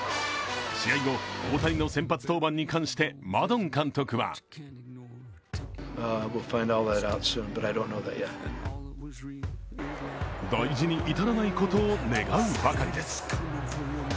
試合後、大谷の先発登板に関してマドン監督は大事に至らないことを願うばかりです。